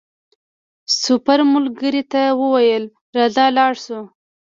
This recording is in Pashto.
سپور ملګري ته وویل راځه لاړ شو.